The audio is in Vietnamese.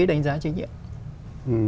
đánh giá trách nhiệm